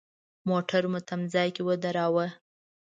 موټر مو تم ځای کې ودراوه.